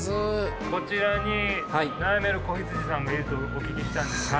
こちらに悩める子羊さんがいるとお聞きしたんですけども。